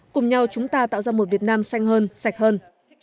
cùng nhau chúng ta tạo ra một việt nam xanh hơn sạch hơn